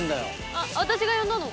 「あっ私が呼んだの」